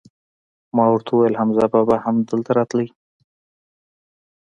ما ور ته وویل: حمزه بابا هم دلته راته؟